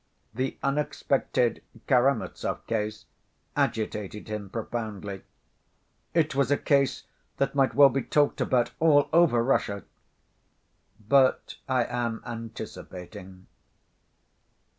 The unexpected Karamazov case agitated him profoundly: "It was a case that might well be talked about all over Russia." But I am anticipating.